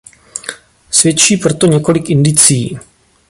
Svědčí pro to několik indicií.